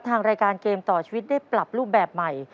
ทางรายการเกมต่อชีวิตได้ปรับรูปแบบใหม่